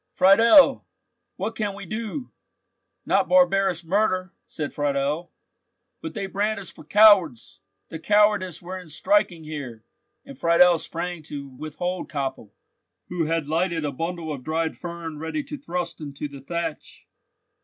"Friedel, what can we do?" "Not barbarous murder," said Friedel. "But they brand us for cowards!" "The cowardice were in striking here," and Friedel sprang to withhold Koppel, who had lighted a bundle of dried fern ready to thrust into the thatch.